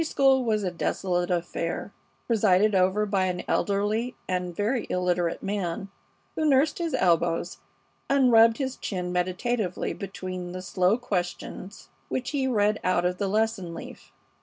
The Sunday school was a desolate affair, presided over by an elderly and very illiterate man, who nursed his elbows and rubbed his chin meditatively between the slow questions which he read out of the lesson leaf.